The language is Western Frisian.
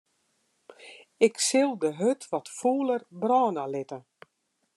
Ik sil de hurd wat fûler brâne litte.